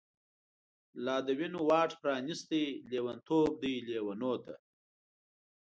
لادوینو واټ پرانستی، لیونتوب دی لیونو ته